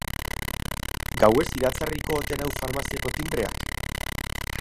Gauez iratzarriko ote nau farmaziako tinbreak?